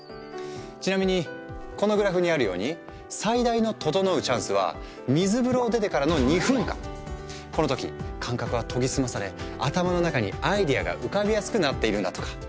ちなみにこのグラフにあるように最大の「ととのう」チャンスは水風呂を出てからのこの時感覚は研ぎ澄まされ頭の中にアイデアが浮かびやすくなっているんだとか。